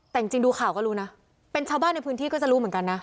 แต่จริงดูข่าวก็รู้นะเป็นชาวบ้านในพื้นที่ก็จะรู้เหมือนกันนะ